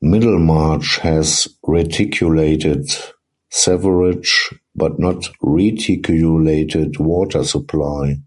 Middlemarch has reticulated sewerage but no reticulated water supply.